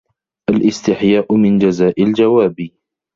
الِاسْتِحْيَاءُ مِنْ جَزَاءِ الْجَوَابِ